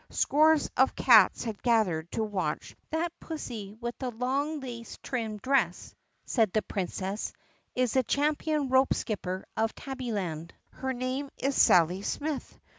Scores of cats had gathered to watch. "That pussy with the long lace trimmed dress," said the Prin cess, "is the champion rope skipper of Tabbyland. Her name is Sally Smith.